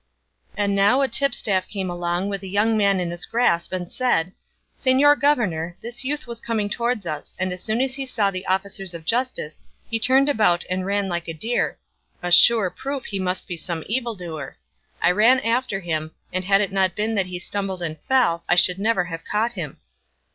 And now a tipstaff came up with a young man in his grasp, and said, "Señor governor, this youth was coming towards us, and as soon as he saw the officers of justice he turned about and ran like a deer, a sure proof that he must be some evil doer; I ran after him, and had it not been that he stumbled and fell, I should never have caught him."